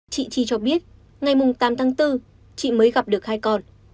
chị chi cho biết ngày tám tháng bốn chị mới gặp được hai con